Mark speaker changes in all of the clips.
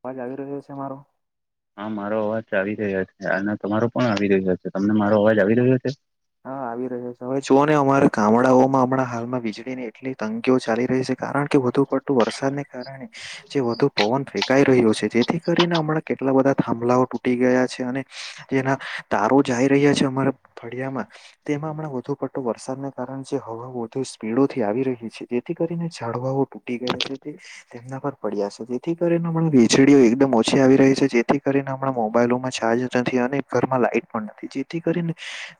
Speaker 1: અવાજ આવી રહ્યો છે મારો
Speaker 2: હા મારો અવાજ આવી રહ્યો છે અને તમારો પણ આવી રહ્યો છે તમને મારો અવાજ આવી રહ્યો છે.
Speaker 1: હા આવી રહ્યો છે હવે જુઓ ને અમારે ગામડાઓમાં હમણાં હાલમાં વીજળી ની એટલી તંગીઓ ચાલી રહી છે. કારણ કે વધુ પડતું વરસાદને કારણે જે વધુ પવન ફેંકાઈ રહ્યો છે જેથી કરીને હમણાં કેટલા બધા થાંભલાઓ તૂટી ગયા છે અને જેના તારો જાય રહ્યા છે અમારા ફળિયામાં તેમાં હમણાં વધુ વરસાદને કારણે જે હવા વધુ સ્પીડોથી આવી રહી છે જેથી કરીને ઝાડવાઓ તૂટી ગયા છે તે તેમના પર પડ્યા છે જેથી કરીને હમણાં વીજળીઓ એકદમ ઓછી આવી રહી છે જેથી કરીને હમણા મોબાઈલોમાં ચાર્જ નથી અને ઘરમાં લાઈટ પણ નથી જેથી કરીને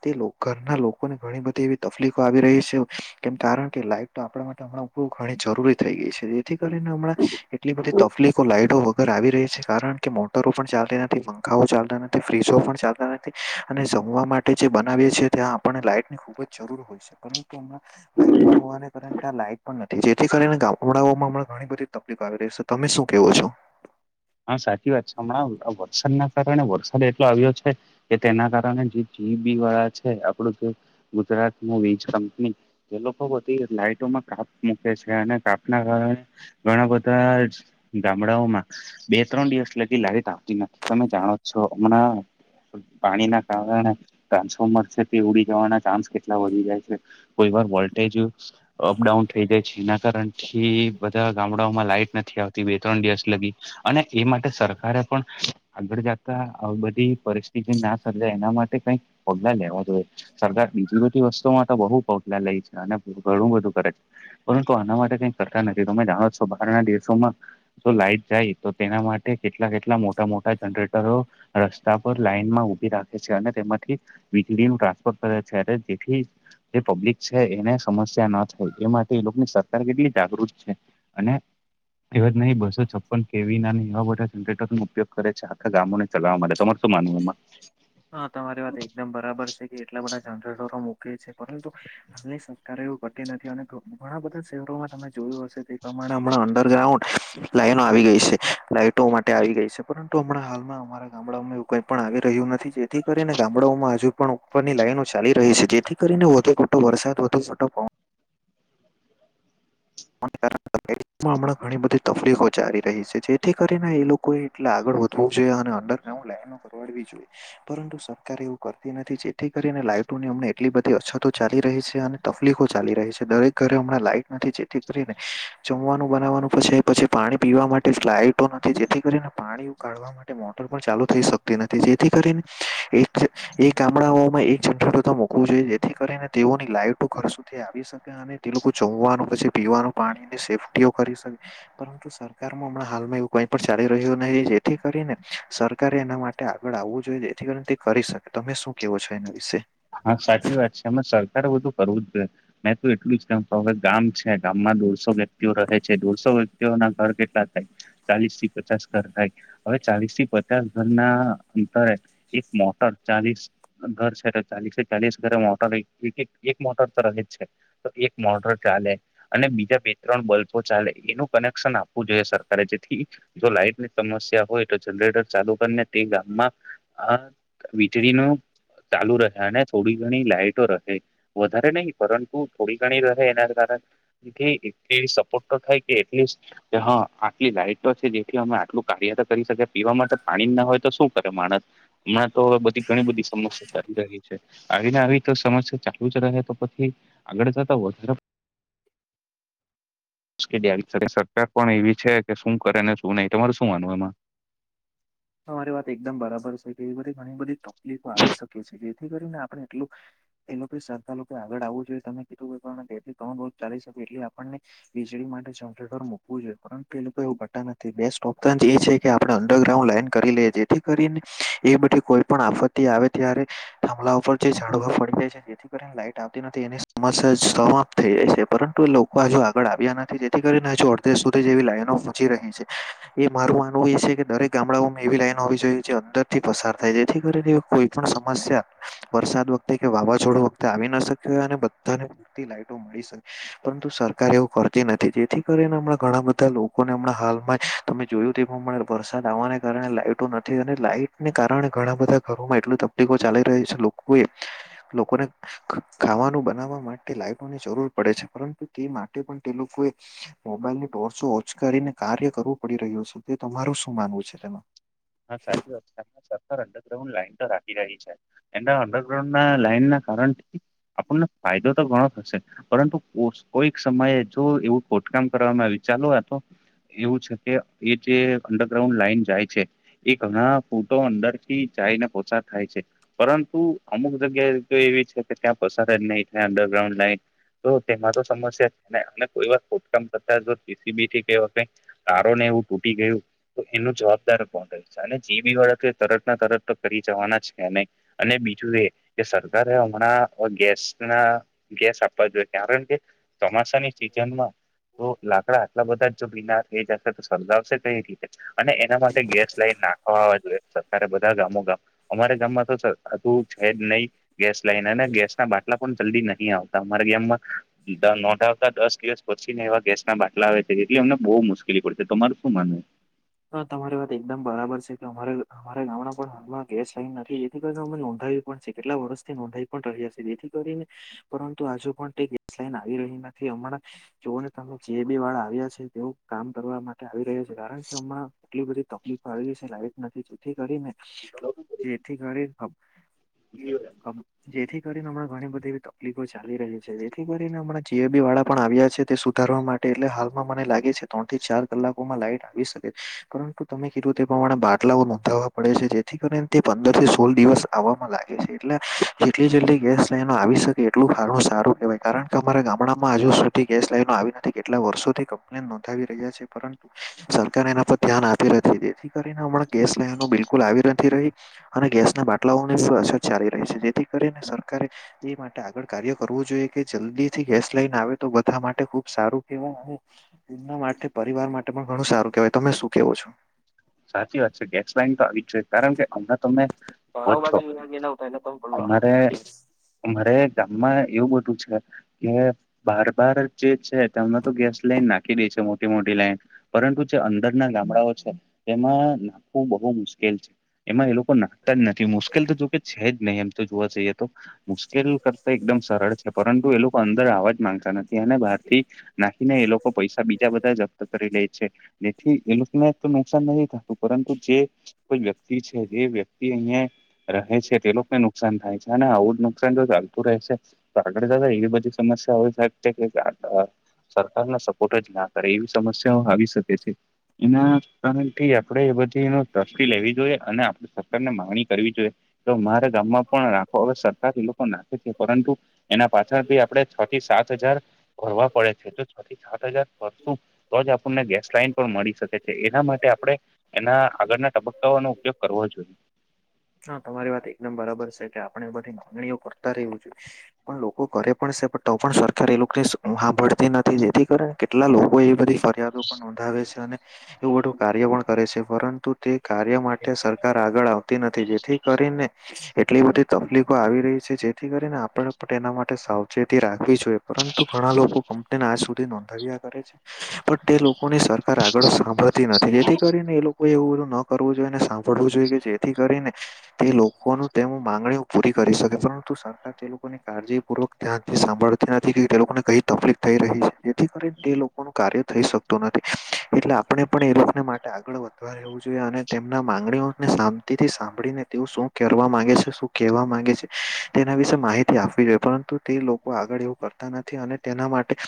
Speaker 1: તે લોકો ઘરના લોકોને ઘણી બધી એવી તકલીફો આવી રહી છે કેમ કારણ કે લાઈટ તો આપણા માટે હમણાં બઉ ઘણી જરૂરી થઈ ગઈ છે જેથી કરીને હમણાં એટલી બધી તકલીફો લાઈટો વગર આવી રહી છે કારણ કે મોટરો પણ ચાલતી નથી પંખાઓ ચાલતા નથી ફ્રીજો પણ ચાલતા નથી અને જમવા માટે જે બનાવીએ છીએ ત્યાં આપણને લાઈટની ખુબ જરૂર હોય છે પરંતુમ લાઈટ હોવા ના કારણે આ લાઈટ પણ નથી જેથી કરીને ગામડાઓમાં હમણાં ઘણી બધી તકલીફો આવી રહી છે તમે શું કેવો છો?
Speaker 2: હા સાચી વાત છે હમણાં વરસાદના કારણે વરસાદ એટલો આવ્યો છે. કે તેના કારણે જે જીબી વાળા છે આપડું ગુજરાત નુ વીજ કંપની એ લોકો બધી લાઈટોમાં કાપ મૂકે છે અને કાપ ના કારણે ઘણા બધા ગામડાઓમાં બે ત્રણ દિવસ લગી લાઈટ આવતી નથી. તમે જાણો છો હમણાં પાણી ના કારણે ટ્રાન્સફોર્મર છે તે ઉડી જવાના ચાન્સ કેટલા વધી જાય છે. કોઈ વાર વોલ્ટજ અ અપડાઉન થઈ જાય છે જેના કારણ થી બધા ગામડાઓમાં લાઈટ નથી આવતી બે ત્રણ દિવસ લગી. અને એ માટે સરકારે પણ આગળ જતા આ બધી પરિસ્થિતિ ના સર્જાય એના માટે કઈક પગલા લેવા જોઈએ. સરકાર બીજી બધી વસ્તુમાં તો બહુ પગલા લે છે અને ઘણું બધું કરે છે. પરંતુ આના માટે કઈ કરતા નથી તમે જાણો છો બહારના દેશોમાં જો લાઈટ જાય તો તેના માટે કેટલા કેટલા મોટા મોટા જનરેટરો રસ રસ્તા પર લાઈનમાં ઉભી રાખે છે. અને તેમાંથી વીજળીનું ટ્રાન્સફર કરે છે જેથી જે પબ્લિક છે એને સમસ્યા ના થાય એ માટે એ લોકોની સરકાર કેટલી જાગૃત છે. અને એ જ નહી બસો છપ્પન કેવી ના એવા બધા જનરેટરનો ઉપયોગ કરે છે આખા ગામોને ચલાવવા માટે. તમારે શું માનવું એમાં?
Speaker 1: હા તમારી વાત એકદમ બરાબર છે કે એટલા બધા જનરેટરો મૂકે છે. પરંતુ હાલની સરકાર એવું કરતી નથી અને ગ ઘણા બધા શહેરોમાં તમે જોયું હશે તે પ્રમાણે હમણાં અંડરગ્રાઉન્ડ લાઈનો આવી ગઈ છે. લાઈટો માટે આવી ગઈ છે. પરંતુ હમણાં હાલમાં અમારા ગામડાઓમાં એવું કઈ પણ આવી રહ્યું નથી. તેથી કરીને ગામડાઓમાં હજુ પણ ઉપરની લાઈનો ચાલી રહી છે. જેથી કરીને વધુ મોટો વરસાદ, વધુ મોટો પવ [inaudible] હમણાં ઘણી બધી તકલીફો ચાલી રહી છે જેથી કરીને એ લોકો એટલે આગળ વધવું જોઈએ અને અંડર ગ્રાઉન્ડ લાઈનો કરવાડવી જોઈએ. પરંતુ સરકાર એવું કરતી નથી. જેથી કરીને લાઈટોની હમ એટલી બધી અછતો ચાલી રહી છે અને તકલીફો ચાલી રહી છે. દરેક ઘરે હમણાં લાઈટ નથી જેથી કરીને જમવાનું બનાવવાનું પછી પછી પાણી પીવા માટે લઇટો નથી, જેથી કરીને પાણી ઉકાળવા મોટર પણ ચાલુ થઈ શકતી નથી. જેથી કરીને એ ગામડાઓમાં એક જનરેટર તો મુકવો જોઈએ જેથી કરીને તેઓની લાઈટો ઘર સુધી આવી શકે. અને તે લોકો જોમવાનું પછી, પીવાનું પાણી સેફ્ટીઓ કરી શકે. પરંતુ સરકાર હમણાં હાલમાં એવું કઈ પણ ચાલી રહ્યું નહી. જેથી કરીને સરકારે એના માટ ટે આગળ આવવું જોઈએ. જેથી કરીને તે કરી શકે. તમે શું કેવો છો એના વિશે?
Speaker 2: હા સાચી વાત છે. એમાં સરકારે બધું કરવું જ જોઈએ. મેં તો એટલું જ કેમ ગામ છે. ગામમાં દોઢસો વ્યક્તિઓ રહે છે. દોઢસો વ્યક્તિઓ ના ઘર કેટલા થાય. ચાલીસ થી પચાસ ઘર થાય. હવે ચાલીસ થી પચાસ ઘરના અંતરે એક મોટર ચાલીસ ઘર છે તો ચાલીસે ચાલીસ ઘરે મોટર એક એક મોટર તો રહે જ છે. તો એક મોટર ચાલે અને બીજા બે ત્રણ બલ્બો ચાલે એનું કનેક્શન આપવું જોઈએ સરકારે જેથી જો લાઈટની સમસ્યા હોય તો જનરેટર ચાલુ કરીને તે ગામમાં અ વીજળીનું ચાલુ રહે. અને થોડી ઘણી લાઈટો રહે. વધારે નહી પરંતુ થોડી ઘણી રહે એના કારણે જેથી એટલી સપોર્ટ તો થાય કે એટલીસ્ટ કે હા આટલી લાઈટ છે જેથી અમે આટલું કાર્ય તો કરી શકીએ. પીવા માટે પાણી ના હોય તો શું કરે માણસ? હમણાં તો બધી ઘણી બધી સમસ્યા ચાલી રહી. આવીને આવી તો સમસ્યા ચાલુ જ રહે તો પછી આગળ જતા વધારે મુશ્કેલી આવી સરકાર પણ એવી છે કે શું કરે ને શું નહી તમાર શું માનવું આમાં?
Speaker 1: તમારી વાત એકદમ બરાબર છે. કે એવી બધી ઘણી બધી તકલીફો આવી શકે છે કે જેથી કરીને આપણે એટલું એ લોકો સરકાર લોકોએ આગળ આવવું જોઈએ તમે કીધું કો ત્રણ રો ચાલી શકે એટલે આપને વીજળી માટે વુંએ પરંતુ એ લોકો એવું કરતા નથી બેસ્ટ ઓપ્શન એ છે કે આપણે અડરગ્રાઉન્ડ લાઈન કરી લે જેથી કરીને એ બેધી કોઈ પણ આપત્તિ આવે ત્યારે થાંભલા ઉપર જે ઝડવા પડી જાય છે. જેથી કરીને લાઈટ આવતી નથી એની સમસ્યા સમાપ્ત થઈ જાય છે. પરંતુ એ લોકો હજુ આગળ આવ્યા નથી જેથી કરીને હજુ અડધે સુધી જેવી લાઈનો પોચી રહી છે. એ મારું માનવું એ છે કે દરેક ગામડાઓમાં એવી લાઈન હોવી જોઈએ જે અંદરથી પસાર થાય. જેથી કરીને કોઈ પણ સમસ્યા વરસાદ વખતે કે વાવાઝોડું વખતે આવી ના શક્યું હો અને બધાને પૂરતી લાઈટો મળી શકે. પરંતુ સરકાર એવું કરતી નથી જેથી કરીને હમણાં ઘણા બધા લોકોને હમણાં હાલમાં જ તમે જોયું તે પણ મળેલ વરસાદ આવવાને. કારણે લાાઈટો નથી અને લાઈટને કારણે ઘણા બધા ઘરોમાં એટલ તકલીફો ચાલી રહી છે લોકો એ. લોકોને. ખાવાનું બનાવવા માટે લાઈટોની જરૂર પડે છે પરંતુ તે માટે પણ તે લોકોએ મોબાઈલ ની ટોર્ચો ઓચ કરીને કાર્ય કરવું પડી રહ્યો છે તે તમારું શું માનવું છે તેનું.
Speaker 2: હા સાચી વાત સરકાર અંડરગ્રાઉન્ડ લાઈન તો રાખી રહી છે. એના અંડરગ્રાઉન્ડ ના લાઈન ના કારણથી આપણને ફાયદો તો ઘણો થશે પરંતુ કો કોઈક સમયે જો એવું ખોદકામ કરવામાં આવી ચાલો આતો એવું છે, કે એ જે અંડરગ્રાઉન્ડ લાાઈન જાય છે. એ ઘણા ફૂટો અંદર થી જાય ને પોછા થાય છે. પરંતુ અમુક જગ્યાએ તો એવી છે કે ત્યાં પસાર જ નહી અંડરગ્રાઉન્ડ લ તો તેમાં તો સમસ્યા છેને કોઈ વાત ખોદકામ કરતા જો પીસીબી થી ક તારોને એવું તૂટી ગયું તો એનું જવાબદાર કોણ, અને જેબી વાળા તોએ તરત તરત તો કરી જવાના જ છે, ને અને બીજું એકે સરકારે હમણાં ગેસના, ગેસ આપવા જોઈએ, કારણ કે ચોમાસાની સિજનમાં તો લાકડા આટલા બધા જ જોબીના થઈ જશે તો સર્ગાવશે કઈ રીતે, અને એના માટે ગેસ, હવા જોઈએ, સરકારે બધા ગામો ગામ અમારા ગામમાં તો છે, જ નહીં ગેસ લાઈને અને ગેસના બાટલા પણ જલ્દી નહીં આવતા અમારા ગામમાં, નોંધ આવતા દસ દિવસ પછીને એવા ગેસના બાટલા આવે છે, એટલે એમને બહુ મુશ્કેલી પડશે, તો અમાર શું માનવું,
Speaker 1: હ તમારી વાત એકદમ બરાબર છે, કે અમારે અમારા ગામના પણ હાલમાં ગેસ લાઈન નથી, જેથી કરી અમે નોંધાયું. પણ છે, કેટલા વર્ષથી નોંધાઈ પણ રહ્યા છે, જેથી કરીને, પરંતુ હજુ પણ તે ગેસ લાઈન આવી રહી નથી, હમણાં. જોવોને તમે જીએબી વાળા આવ્યા છે, તેવો કામ કરવા માટે આવી રહ્યા છે, કારણકે. માં એટલી બધી તકલીફ આવીશે લાઈટ નથી, જેથી કરીને જેથી કરીને. જેથી કરીને હમણાં ઘણી બધી, તકલીફો ચાલી રહી છે, એટલી કરીને હમણાં જીએબી વાળા પણ આવ્યા છે, તે સુધારવા માટે એટલે હાલમાં મને લાગે છે. ત્રણ થી ચાર કલાકોમાં લાઈટ આવી શકે, પરંતુ તમે કીધું તે પ્રમાણે બાટલાઓ નોંધાવવા પડે છે, જેથી કરીને તે પંદરથી સોળ દિવસ. આવવામાં લાગે છે, એટલે જેટલી જેટલી ગેસલાઈન આવી શકે એટલું સારુ સારું કેવાય. કારણ કે, અમારા ગામડામાં હજુ સુધી ગેસ લાઈનો આવી નથી કેટલા વર્ષોથી કમ્પ્લેન નોંધાવી રહ્યા છે, પરંતુ સરકાર એના પર ધ્યાન આપી નથી, જેથી કરીને હમણાં ગેસ લેવાનું બિલકુલ આવી નથી રહી, અને ગેસના બાટલાઓની પણ અસર ચાલી રહી છે, જેથી કરીને સરકારે એ માટે આગળ કાર્ય કરવું જોઈએ, કે જલ્દીથી ગેસ લાઈન આવેતો બધા માટે ખુબ સારું કહેવાય. એના માટે પરિવાર માટે પણ ઘણું સારું કેવાય તમે શું કેવો છો.
Speaker 2: સાચી વાત છે, ગેસલાઈન તોઆવી જ જોઈએ, કારણ કે હમણાં તમને.
Speaker 1: તો બાકી એને પલો,
Speaker 2: અમારે ગામમાં એવું બધું છે, કે બાર બાર જે છે, તને તો ગેસ લાઈન નાખી દે છે, મોટી મોટી લાઈન પરંતુ જે અંદરના ગામડાઓ છે, તેમાં નાખવું બહુ મુશ્કેલ છે. એમાંએ લોકો નાખતા જ નથી મુશ્કેલ તો જોકે છે, જ નહીં એમતો જોવા જઈએતો, મુશ્કેલ કરતા એકદમ સરળ છે, પરંતુ એ લોકો અંદર અવાજ માંગતા નથી. અને બહારથી નાખીને એ લોકો પૈસા બીજા બધા જપ્ત કરીલે છે, જેથી એ લોકોને નુકસાન નહી થતું, પરંતુ જે કોઈ વ્યક્તિ છે, જે વ્યક્તિ અહીંયા રહે છે, તે લોકોને નુકસાન થાય છે, અને આવું જ નુકસાન જો ચાલતું રહે છે, તો આગળ જતાં એવી બધી સમસ્યા હો શકે છે, કે સરકારને સપોર્ટ જના કરે એવી. સમસ્યાઓ આવી શકે છે, એના આપડે એ બધીન ટ્રષ્ટી લેવી જોઈએ, અને આપણે સરકારને માંગણી કરવી જોઈએ. તો મારે ગામમાં પણ રાખો હવે સરકારએ લોકો નાખે છે, પરંતુ એના પાછળ ભી આપડે છ થી સાત હજાર ભરવા પડે છે, તો સાત હજાર ભરશું તોજ આપણને ગેસ લાઈન પણ મળી શકે છે, એના માટે આપણે એના આગળના તબક્કાઓનો ઉપયોગ કરવો જોઈએ.
Speaker 1: હા, તમારી વાત એકદમ બરાબર છે કે આપણે બધી માંગણીઓ કરતા રહેવી જોઈએ પણ લોકો કરે પણ છે, પણ તો પણ સરકારી નોકરી એ લોકોને સાંભરતી નથી જેથી કરીને કેટલા લોકોએ બધી ફરિયાદો પણ નોંધાવે છે, અને એવું મોટું કાર્ય પણ કરે છે, પરંતુ તે કાર્ય માટે સરકાર આગળ આવતી નથી જેથી કરીને, એટલી બધી તકલીફો આવી રહી છે, જેથી કરીને આપડે પણ એના માટે સાવ ચેતી રાખવી જોઈએ, પરંતુ ઘણા લોકો કમ્પ્લેન આજ સુધી નોંધાવ્યા કરે છે પણ તે લોકોની સરકાર આગળ સાંભળતી નથી, જેથી કરીને એ લોકો એવું બધું ન કરવું જોઈએ, અને સાંભળવું જોઈએ, કે જેથી કરીને, તે લોકોનું તે માંગણીઓ પૂરી કરી શકે પરંતુ સરકાર તે લોકોની કાળજીપૂર્વક, ત્યાં સાંભળતી નથી કે તે લોકોને કઈ તકલીફ થઈ રહી છે જેથી કરીને તે લોકોનું કાર્ય થઈ શક એટલે આપણે પણ એ લોકોને માટે આગળ વધવા રહેવું જોઈએ અને તેમના માંગણીઓને સન તી થી સાંભળીને તેવો શું કરવા માંગે છે શું કહેવા માંગે છે તેના વિશેે માહિતી આપવી જોઈએ પરંતુ તે લોકો આગળ એવું કરતા નથી અને તેના માટે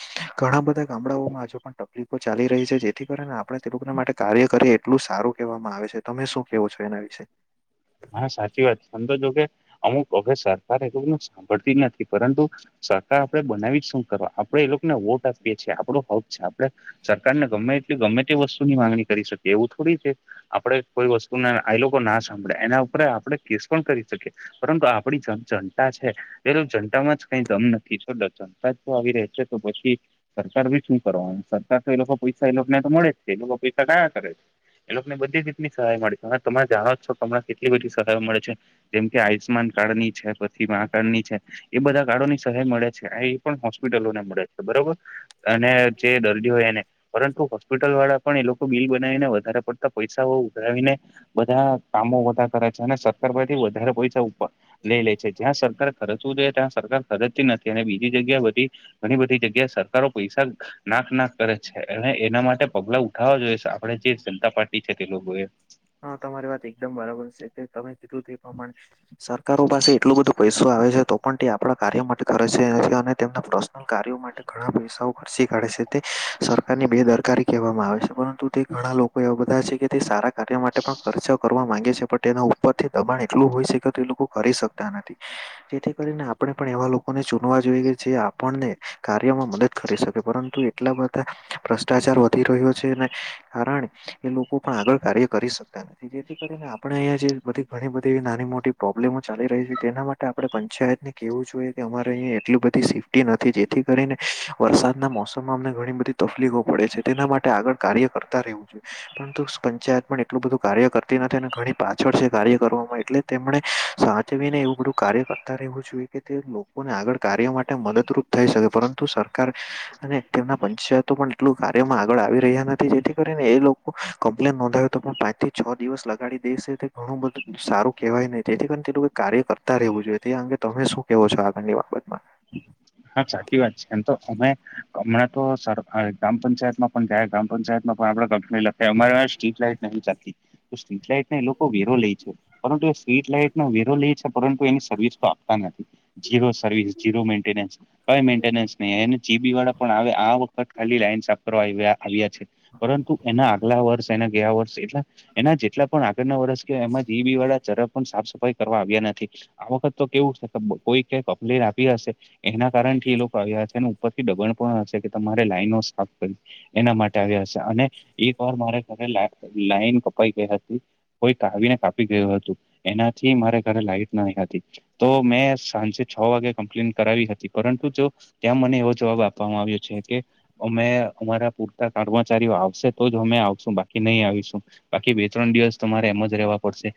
Speaker 1: ઘણા બધા ગામડાઓમાં હજુ પણ તલી ચાલી રહી છે જેથી કરીને આપણે તે લોકોના માટે કાર્ય કરીએ એટલું સારું કહેવામાં આવે છે તમે શું કેવો છો એના વિશે
Speaker 2: હા સાચી વાત છે સમમ તો જો કે અમુક હવે સરકાર એલું બધું સાંભળતી નથી પરંતુ સરકાર આપડે બનાવી જ શું કરવા આપડે એ લોકોને વોટ આપીએે છીએ આપડો હક છે આપડે સરકાર ને ગમે તેટલી ગમે તે વસ્તુ ની માંગણી કરી શકે એવું થોડી છે આપડે કોઈ વસ્તુને એ લોકો ના સાંભળે એના ઉપ આપણે કેસ પણ કરી શકીએ પરંતુ આપડી જનતા છે પેલ જનતા માં જ કઈ દમ નથી છો જનતા જ આવી ર છે તો પછી સરકાર ભી શું કરવાનું સરકાર તો એ લોકો પૈસા એ લોકો ને તો મળે જ છે એ લોકો પૈસા કયા કરે છે એ લોકોને બધી જ રીતની સહાય મળે છે તમે જાણો છો તમને કેટલી બધી સહાય મળે છે જેમ કે આયુષ્યમાન કાર્ડ ની છે પછી કાર્ડ ની છે એ બધા કાર્ડોની સહાય મળે છે એ પણ હોસ્પિટલોને મળે છે બરોબર અને જે દર્દી હોય એને પરંતુ હોસ્પિટલ વાળા પણ એ લોકો બિલ બનાવીને વધારે પડતા પૈસાઓ ઉઘરાવીને બધા કામો બધા કરે છે અને સરકાર પથી વધારે પૈસા ઉપ લઈ લે છે જ્યાં સરકાર ખર્ચવું જોઈએ ત્યાં સરકાર તી નથી અને બીજી જગ્યા બધી ઘણી બધી જગ્યા સરકારો પૈસા નાક નાક કરે છે અને એના માટે પગલા ઉઠાવવા જોઈએ આપડે જે જનતા પાર્ટી છે તે લોકો એ
Speaker 1: હા તમારી વાત એકદમ બરાબર છે તમે કીધું તે પ્રમાણે સરકારો પાસે એટલોું બધું પૈસો આવે છે તો પણ તે આપણા કાર્યો માટે કરે છે અને તેમના પર્સનલ કાર્યો માટે ઘણા પૈસાઓ ખર્ચી કાઢે છે સરકારની બે દરકારી કહેવામાં આવે છે પરંતુ તે ઘણા લોકો એવા બધા છે કે તે સારા કાર્ય માટે પણ ખર્ચો કરવા માંગે છે પણ તેના ઉપ ઉપથી દબાણ એટલું હોય છે કે તે એ લોકો કરી શકતા નથી જેથી કરીને આપણે પણ એવા લોકોને ચૂનવા જોઈએ કે જે આપણને કાર્યોમાં મદદ કરી શકે પરંતુ એટલા બધા ભ્રષ્ટાચાર વધી રહ્યો છે અને કારણે એ લોકો પણ આગળ કાર્ય કરી શકતા નથી જેથી કરીને આપણે અહીંયા જે બધી ઘણી બધી એવી નાની મોટી પ્રોબ્લેમો ચાલી રહી છે તેના મા આપડે પંચાયતને કેવું જોઈએ કે અમારે અહીયા એટલી બધી સેફ્ટી નથી જેથી કરીને વરસાદના મોસમમાં અમને ઘણી બધી તકલીફો પડે છે તેના માટે આગળ કાર્ય કરતા રહેવું જો પરંતુ પંચાયત પણ એટલું બધું કાર્ય કરતી નથી અને ઘણી પાછળ છે કાર્ય કરવામાં એટલે તેમણે સાચવીને એવું બધું કાર્યકર્તા રહેવું જોઈએ કે તે લોકોને આગળ કાર્ય માટે મદદરૂપ થઈ શકે પરંતુ સરકાર અને તેમના પંચાયતો પણ એટલું કાર્યમાં આગળ આવી રહ્યા નથી જેથી કરીને એ લોકો કમ્પ્લેન નોંધાવે તો પણ પાંચ થી છ દિવસ લગાડી દેશે તે ઘણું બધું સારું કેહેવાય નહી તેથી કાર તે લોકો કાર્ય કર તા રેહવું જોઈએ તે અંગે તમે શું કેવો છો આગળની બાબતમાં
Speaker 2: હા સાચી વાત છે એમ તો અમે હમણાં તો ગ્રામ પંચાયતમાં પણ તં ગ્રામ પંચાયતમાં પણ આપણે કંપ લખ અ સ્ટ્રીટ લાઈટ સ્ટ્રીટ લાઈટને એ લોકો વેરો લે છે પરંતુ એ સ્ટ્રીટ લાઈટ નો વેરો લે છે. પરંતુ એની સર્વિસ તો આપતા નથી જીરો સર્વિસ જીરો મેન્ટસ ક મેન્ટનન્સ નહી જીબી વાળા પણ આવે આ વખત ખાલી લાઈન સાપરવા આવવ્ય આવ્યા છે પરંતુ એના આગલા વર્ષ એના ગયા વર્ષ એટલા એના જેટલા પણ આગળના વર્ષ એમાં જી બી વાળા ચરપ પણ સાફ સફાઈ કરવા આવ્યા નથી આ વખત તો કેવું છે કોઈ ક અપલીન આપી હશે એના કારણ થી એ લોકો આવ્યા છે અને ઉપરથી દબણ પણ હશે કે તમારે લાઈનો સ્થાપ કરી એના માટે આવ્યા હશે અને એક વાર મારે ઘરે લા લાઈન કપાઈ ગઈ એનાથી કોઈ કાવીને કાપી ગયું હતું એનાથી મારે ઘરે લાઈટ નહી હતી તો મેં સાંજે છ વાગે કમ્પ્લેન કરાવી હતી પરંતુ જો ત્યાં મને એવો જવાબ આપવામાં આવ્યો છે કે અમે અમારા પૂરતા કર્મચારીઓ આવશે તો જ અમે આવશું બાકી નહી આવીશું બાકી બે ત્રણ દિવસ તમારે એમ જ રહેવા પડશે